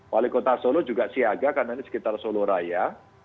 wali kota solo juga siaga karena ini sekitar solo raya